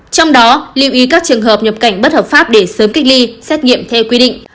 trong đó lưu ý các trường hợp nhập cảnh bất hợp pháp để sớm cách ly xét nghiệm theo quy định